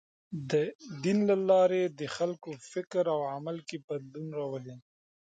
د دین له لارې د خلکو فکر او عمل کې بدلون راولي.